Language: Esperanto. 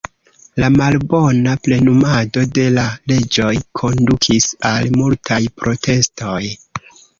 La malbona plenumado de la leĝoj kondukis al multaj protestoj.